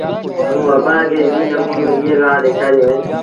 موٚنٚ اڀآنٚ کي ايٚ نموݩو ايٚئي لآ ڏيکآريو اهي